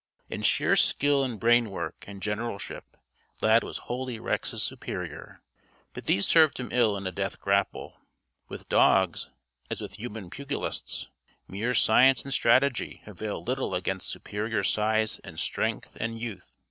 In sheer skill and brain work and generalship, Lad was wholly Rex's superior, but these served him ill in a death grapple. With dogs, as with human pugilists, mere science and strategy avail little against superior size and strength and youth.